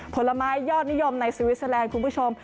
ผลไม้ยอดนิยมในสวิสเตอร์แลนด์คุณผู้ชม